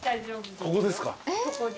ここです。